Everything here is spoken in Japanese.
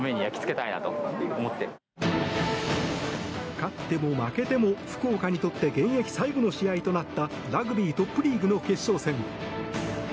勝っても負けても福岡にとって現役最後の試合となったラグビートップリーグの決勝戦。